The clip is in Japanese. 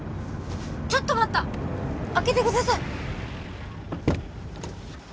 ちょっと待った開けてください